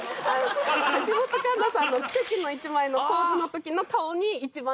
橋本環奈さんの奇跡の１枚のポーズの時の顔に。